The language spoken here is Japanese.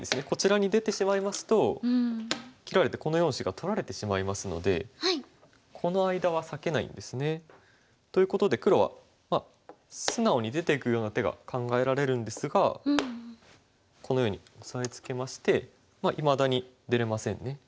こちらに出てしまいますと切られてこの４子が取られてしまいますのでこの間は裂けないんですね。ということで黒は素直に出ていくような手が考えられるんですがこのようにオサえつけましていまだに出れませんね。